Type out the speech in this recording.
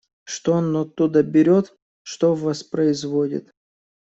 Что он оттуда берет, что воспроизводит.